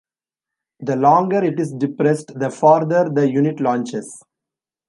The longer it is depressed, the farther the unit launches.